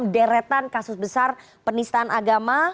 deretan kasus besar penistaan agama